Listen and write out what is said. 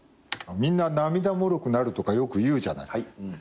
みんな涙もろくなるとかよくいうじゃない。